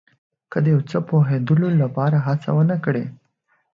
که د یو څه پوهېدلو لپاره هڅه ونه کړئ.